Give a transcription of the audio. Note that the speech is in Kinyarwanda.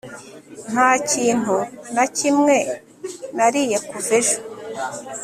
nta kintu na kimwe nariye kuva ejo